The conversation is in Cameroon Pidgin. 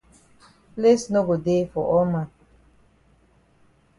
Place no go dey for all man.